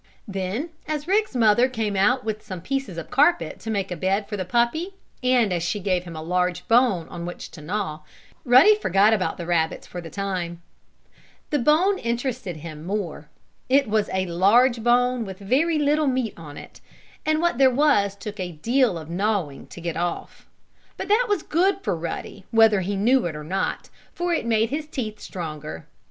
Then, as Rick's mother came out with some pieces of carpet to make a bed for the puppy, and as she gave him a large bone on which to gnaw, Ruddy forgot about the rabbits for the time. The bone interested him more. It was a large bone, with very little meat on it, and what there was took a deal of gnawing to get off. But that was good for Ruddy, whether he knew it or not, for it made his teeth stronger.